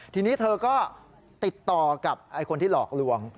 ทีนี้เธอก็ติดต่อกับคนที่หลอกลวง